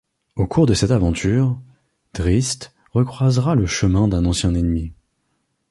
Au cours de cette aventure, Drizzt recroisera le chemin d'un ancien ennemi.